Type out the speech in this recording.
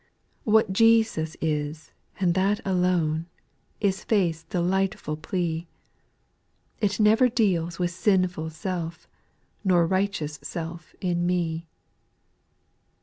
6. What Jesus is, and that alone, Is faith's delightful plea ; It never deals with sinful self. Nor righteous self, in me.